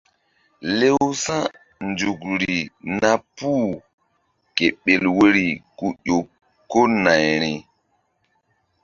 Lewsa̧nzukri na puh kéɓel woyri ku ƴo ko nayri.